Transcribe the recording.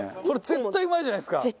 これ絶対うまいじゃないですか。